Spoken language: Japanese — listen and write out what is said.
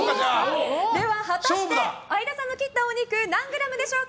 果たして相田さんの切ったお肉何グラムでしょうか。